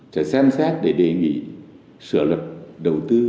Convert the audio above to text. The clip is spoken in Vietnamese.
sẽ xem xét để đề nghị sửa luật đầu tư công sửa luật đầu tư hợp tác công tư